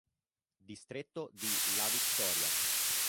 Distretto di La Victoria